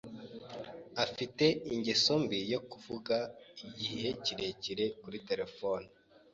Afite ingeso mbi yo kuvuga igihe kirekire kuri terefone.